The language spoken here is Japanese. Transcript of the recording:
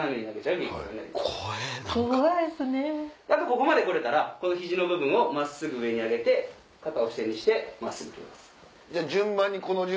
ここまで来れたらこの肘の部分を真っすぐ上に上げて肩を支点にして真っすぐ振り下ろす。